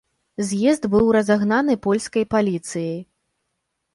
З'езд быў разагнаны польскай паліцыяй.